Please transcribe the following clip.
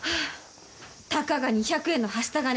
たかが２００円のはした金